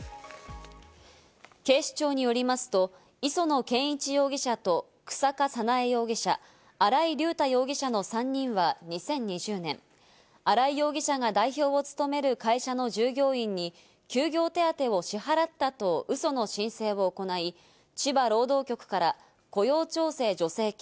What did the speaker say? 警視庁によりますと、磯野賢一容疑者と日下早苗容疑者、新井竜太容疑者の３人は２０２０年、新井容疑者が代表を務める会社の従業員に休業手当を支払った朝目が覚めるとタイだったいるー。